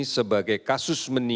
sebagai kasus yang terkontrol